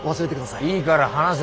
いいから話せ。